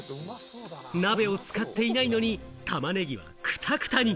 鍋を使っていないのに、玉ねぎはクタクタに。